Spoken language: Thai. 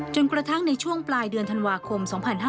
กระทั่งในช่วงปลายเดือนธันวาคม๒๕๕๙